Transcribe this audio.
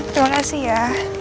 terima kasih ya